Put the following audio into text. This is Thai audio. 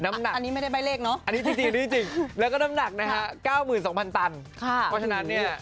อันนี้ไม่ได้ใบเลขเนาะอันนี้จริงแล้วก็น้ำหนักนะฮะ๙๒๐๐๐ตันเพราะฉะนั้นเนี่ย